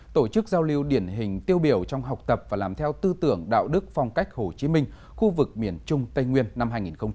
tổ chức giao lưu điển hình tiêu biểu trong học tập và làm theo tư tưởng đạo đức phong cách hồ chí minh khu vực miền trung tây nguyên năm hai nghìn hai mươi